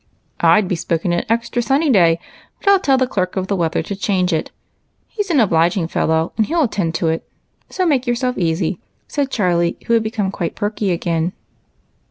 " I 'd bespoken an extra sunny day, but I 'II tell the clerk of the weather to change it. lie 's an obliging fellow, and he '11 attend to it ; so make yourself easy," said Charlie, who had become quite perky again.